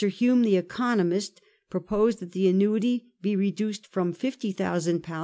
Hume, the economist, proposed that the annuity be reduced from 50,000?. to 21,000?.